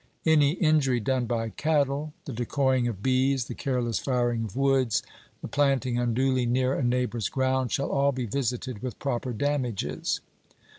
Any injury done by cattle, the decoying of bees, the careless firing of woods, the planting unduly near a neighbour's ground, shall all be visited with proper damages.